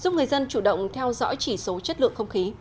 giúp người dân chủ động theo dõi chỉ số chất lượng không khí